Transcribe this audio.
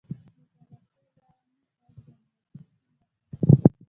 • د تالاشۍ الارم ږغ د امنیتي سیستم برخه ده.